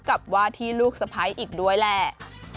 กับว่าที่ลูกสะพ้ายอีกด้วยแหละ